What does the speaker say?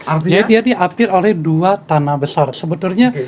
artinya dia di akhir oleh dua tanah besar sebetulnya